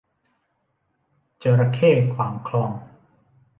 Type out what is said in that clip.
จระเข้ขวางคลอง